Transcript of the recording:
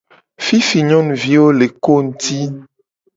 Fifi nyonuviwo le ko ngti.